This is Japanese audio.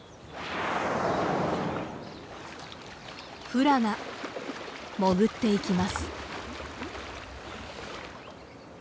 フラが潜っていきます。